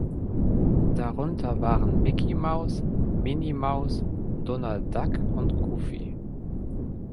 Darunter waren Micky Maus, Minnie Maus, Donald Duck und Goofy.